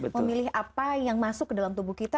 memilih apa yang masuk ke dalam tubuh kita